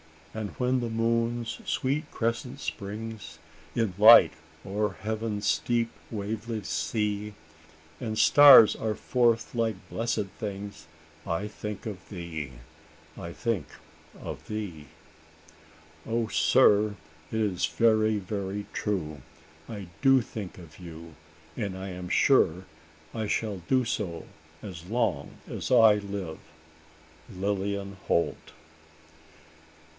And when the moon's sweet crescent springs In light o'er heaven's deep waveless sea; And stars are forth like blessed things, I think of thee I think of thee!" "O sir! it is very, very true! I do think of you; and I am sure I shall do so as long as I live. "Lilian Holt."